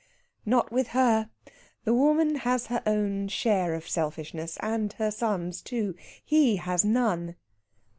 "Not with her. The woman has her own share of selfishness, and her son's, too. He has none."